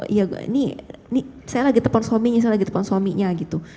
ini saya lagi telfon suaminya saya lagi telfon suaminya gitu